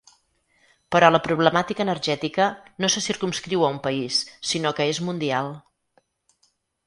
Però la problemàtica energètica no se circumscriu a un país, sinó que és mundial.